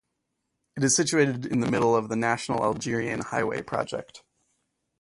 It is situated in the middle of the National Algerian Highway Project.